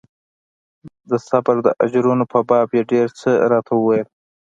د صبر د اجرونو په باب يې ډېر څه راته وويل.